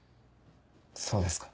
そうですか。